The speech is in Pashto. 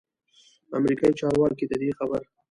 امریکايي چارواکو ددې خبر